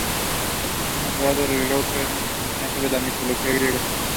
The town of Moosomin gets its drinking water from wells alongside the lake.